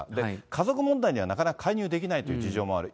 家族問題にはなかなか介入できないという事情もある。